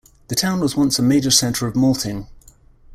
The town was once a major centre of malting.